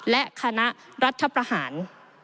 และคณะรัฐประหาร